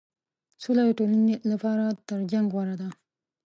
سوله د ټولنې لپاره تر جنګ غوره ده.